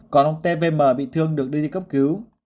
còn ông tvm bị thương được đưa đi cấp cứu